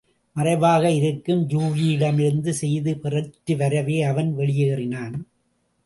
மறைவாக இருக்கும் யூகியிடமிருந்து செய்தி பெற்று வரவே அவன் வெளியேறினான்.